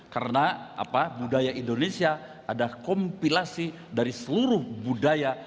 karena budaya indonesia ada kompilasi dari seluruh budaya